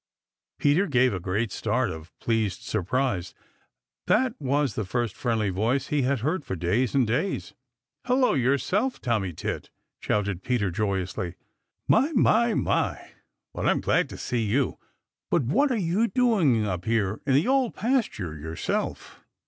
Peter gave a great start of pleased surprise. That was the first friendly voice he had heard for days and days. "Hello yourself, Tommy Tit!" shouted Peter joyously. "My, my, my, but I am glad to see you! But what are you doing up here in the Old Pasture yourself?"